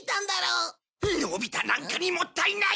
のび太なんかにもったいない。